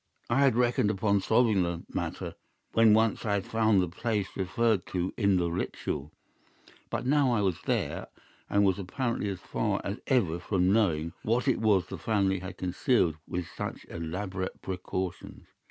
I had reckoned upon solving the matter when once I had found the place referred to in the Ritual; but now I was there, and was apparently as far as ever from knowing what it was which the family had concealed with such elaborate precautions.